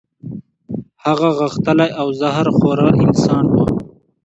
هغه غښتلی او زهر خوره انسان وو.